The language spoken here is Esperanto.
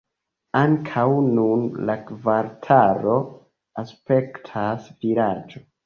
Ankaŭ nun la kvartalo aspektas vilaĝo.